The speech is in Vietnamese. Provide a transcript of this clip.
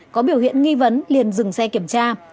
có biểu hiện nghi vấn liền dừng xe kiểm tra